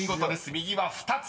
右は２つ。